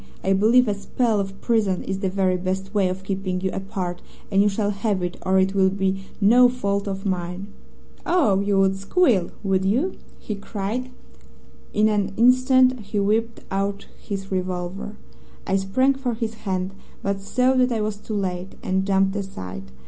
'I believe a spell of prison is the very best way of keeping you apart, and you shall have it, or it will be no fault of mine.' "'Oh, you would squeal, would you?' he cried, and in an instant he whipped out his revolver. I sprang for his hand, but saw that I was too late, and jumped aside.